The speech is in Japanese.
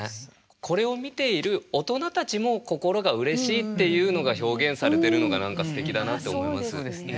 これを見ている大人たちも心がうれしいっていうのが表現されてるのが何かすてきだなと思います。